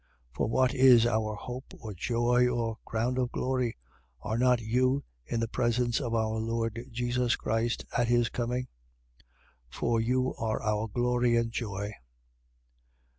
2:19. For what is our hope or joy or crown of glory? Are not you, in the presence of our Lord Jesus Christ at his coming? 2:20. For you are our glory and joy.